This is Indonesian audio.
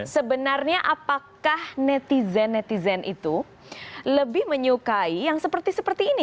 sebenarnya apakah netizen netizen itu lebih menyukai yang seperti seperti ini